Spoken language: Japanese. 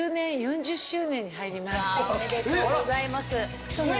おめでとうございます。